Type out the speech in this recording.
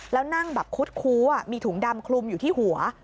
แล้วนั่งแบบคุดคู้มีถุงดำคลุมอยู่ที่หัว